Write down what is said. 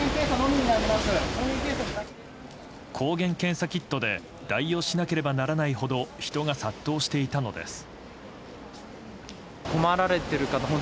抗原検査キットで代用しなければならないほど人が殺到していたのです。